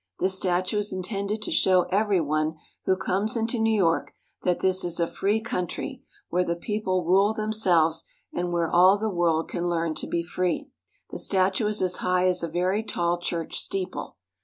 This statue is intended to show every one who comes into New York that this is a free country where the people rule themselves and where all the world can learn to be free. The statue is as high as a very tall church steeple.